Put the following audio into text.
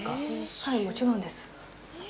はい、もちろんです。